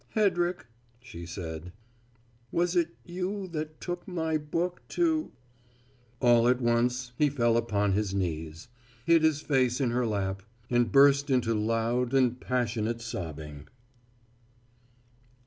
"Hedrick," she said, "was it you that took my book to " All at once he fell upon his knees, hid his face in her lap, and burst into loud and passionate sobbing.